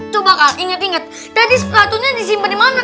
coba inget inget tadi sepatunya disimpan dimana